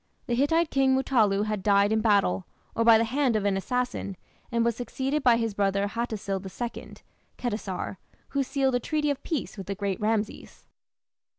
The Hittite king Mutallu had died in battle, or by the hand of an assassin, and was succeeded by his brother Hattusil II (Khetasar), who sealed a treaty of peace with the great Rameses.